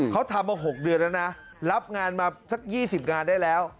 เขาทำมา๖เดือนแล้วนะรับงานมาสัก๒๐งานได้แล้ว